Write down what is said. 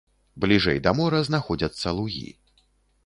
Бліжэй да мора знаходзяцца лугі.